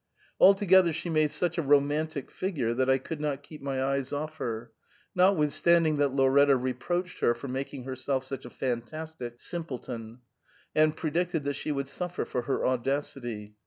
Altogether she made such a roman tic figure that I could not keep my eyes off her, not withstanding that Lauretta reproached her for making herself such a fantastic simpleton, and predicted that she would suffer for her audacity.